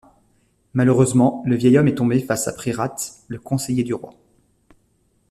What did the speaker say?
Malheureusement, le vieil homme est tombé face à Pryrates, le conseiller du roi.